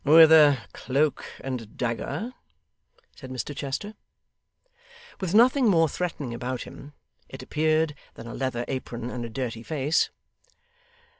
'With a cloak and dagger?' said Mr Chester. With nothing more threatening about him, it appeared, than a leather apron and a dirty face.